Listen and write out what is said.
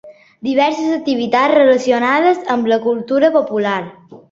Diverses activitats relacionades amb la cultura popular.